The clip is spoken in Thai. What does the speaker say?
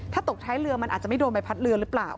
ถ้าตกท้ายเรือมันอาจจะไม่โดนใบพัดเรือหรือเปล่า